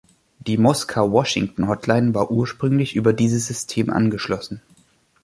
Die Moskau-Washington-Hotline war ursprünglich über dieses System angeschlossen.